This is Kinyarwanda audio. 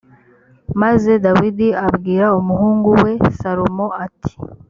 maze dawidi abwira umuhungu we salomo ati